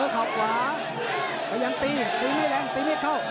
เข้าไม่เข้าตีได้ไม่ได้